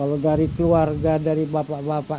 kalau dari keluarga dari bapak bapak